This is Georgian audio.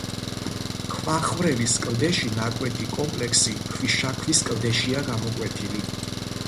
ქვახვრელის კლდეში ნაკვეთი კომპლექსი ქვიშაქვის კლდეშია გამოკვეთილი.